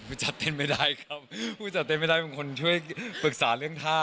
จัดเต้นไม่ได้ครับผู้จัดเต้นไม่ได้เป็นคนช่วยปรึกษาเรื่องท่า